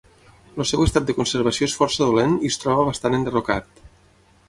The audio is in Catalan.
El seu estat de conservació és força dolent i es troba bastant enderrocat.